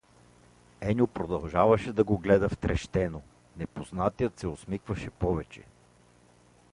Еньо продължаваше да го гледа втрещено, непознатия се усмихваше повече.